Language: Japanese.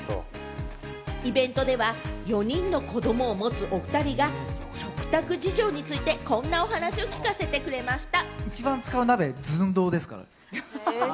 イベントでは４人の子供を持つお２人が、食卓事情について、こんなお話を聞かせてくれました。